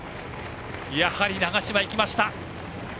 やはり、長嶋が行きました。